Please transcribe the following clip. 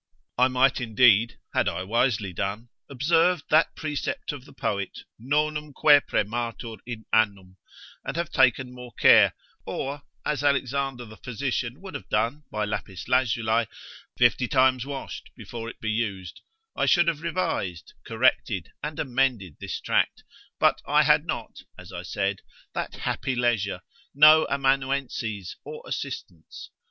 I might indeed, (had I wisely done) observed that precept of the poet, ———nonumque prematur in annum, and have taken more care: or, as Alexander the physician would have done by lapis lazuli, fifty times washed before it be used, I should have revised, corrected and amended this tract; but I had not (as I said) that happy leisure, no amanuenses or assistants.